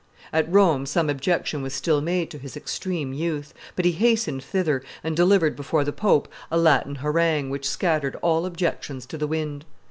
At Rome some objection was still made to his extreme youth; but he hastened thither, and delivered before the pope a Latin harangue, which scattered all objections to the wind.